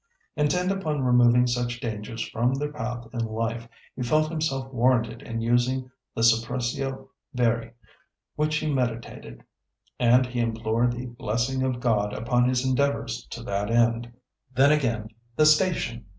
Intent upon removing such dangers from their path in life, he felt himself warranted in using the suppressio veri which he meditated. And he implored the blessing of God upon his endeavours to that end. Then, again, the station?